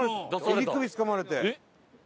襟首つかまれて。